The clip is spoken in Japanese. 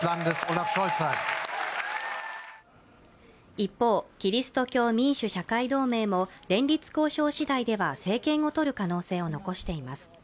一方、キリスト教民主・社会同盟も連立交渉しだいでは政権を取る可能性を残しています。